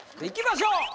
いきましょう。